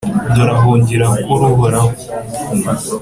dore ahungira kuri uhoraho.